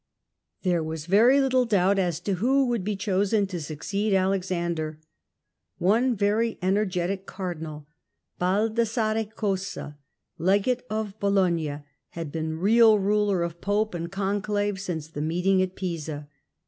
There was very Httle doubt as to who would be chosen to succeed Alexander. One very energetic Cardinal, Bal dassare Cossa, Legate of Bologna, had been real ruler of Pope and Conclave since the meeting at Pisa.